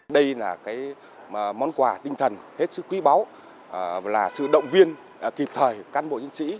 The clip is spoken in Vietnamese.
đây là món quà tinh thần hết sức quý báo là sự động viên kịp thời các bộ chiến sĩ